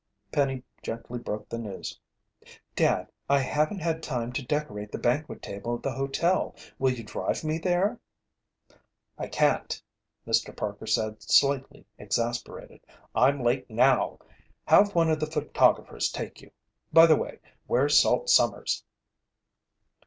Penny gently broke the news. "Dad, I haven't had time to decorate the banquet table at the hotel. Will you drive me there?" "I can't," Mr. Parker said, slightly exasperated. "I'm late now. Have one of the photographers take you. By the way, where's Salt Sommers?"